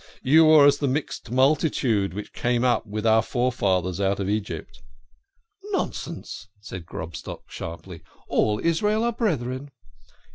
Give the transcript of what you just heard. You are as the mixed multitude which came up with our forefathers out of Egypt." " Nonsense !" said Grobstock sharply. " All Israel are brethren."